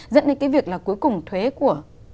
dẫn đến cái việc là cuối cùng thuế của